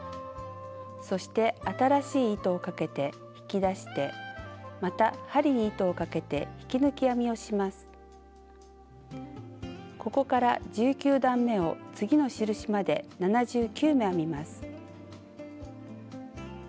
そして新しい糸をかけて引き出してまた針に糸をかけてここから１９段めを次の印まで７９目編みます。